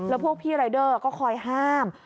แล้วพวกพี่รายเดอร์ก็คอยห้าม